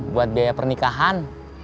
buat biaya pernikahan